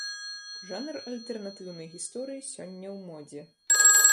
Жанр альтэрнатыўнай гісторыі сёння ў модзе.